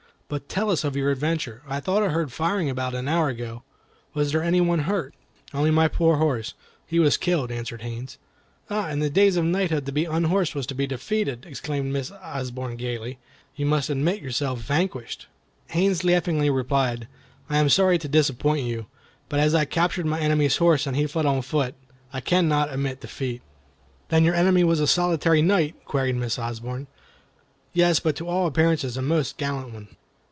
But tell us of your adventure. I thought I heard firing about an hour ago. Was there any one hurt?" "Only my poor horse; he was killed," answered Haines. "Ah! in the days of knighthood to be unhorsed was to be defeated," exclaimed Miss Osborne, gayly. "You must admit yourself vanquished!" Haines laughingly replied: "I am sorry to disappoint you; but as I captured my enemy's horse and he fled on foot, I cannot admit defeat." "Then your enemy was a solitary knight?" queried Miss Osborne. "Yes, but to all appearances a most gallant one."